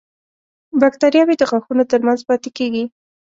باکتریاوې د غاښونو تر منځ پاتې کېږي.